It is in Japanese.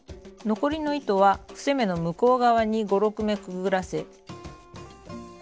残りの糸は伏せ目の向こう側に５６目くぐらせ。